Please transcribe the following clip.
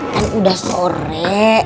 kan udah sore